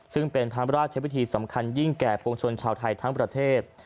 ซึ่งเป็นพระราชพิธีสำคัญยิ่งแก่ปวงชนชาวไทยทั้งประเทศ